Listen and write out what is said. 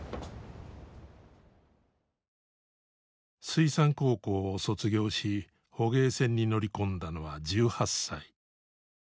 水産高校を卒業し捕鯨船に乗り込んだのは１８歳。